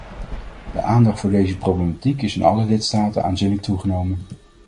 De aandacht voor deze problematiek is in alle lidstaten aanzienlijk toegenomen.